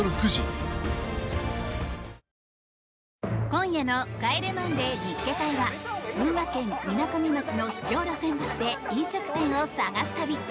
今夜の「帰れマンデー見っけ隊！！」は群馬県みなかみ町の秘境路線バスで飲食店を探す旅！